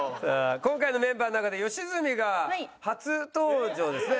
今回のメンバーの中で吉住が初登場ですね